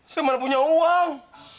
saya merupanya punya uang